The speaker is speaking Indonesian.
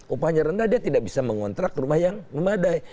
upahnya rendah dia tidak bisa mengontrak rumah yang memadai